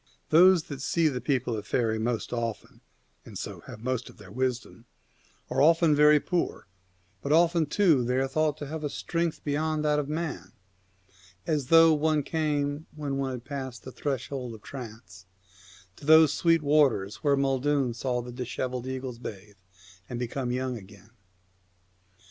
Those that see the people of faery most often, and so have the most of their wisdom, are often very poor, but often, too, they are thought to have a strength beyond that of man, as though one came, when one has passed the threshold of trance, to those sweet waters where Maeldun saw the dishevelled eagles bathe and become young again.